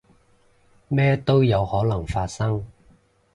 咩都有可能發生